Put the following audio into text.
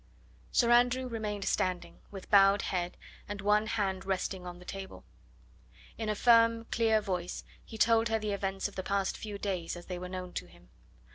Sir Andrew remained standing, with bowed head and one hand resting on the table. In a firm, clear voice he told her the events of the past few days as they were known to him.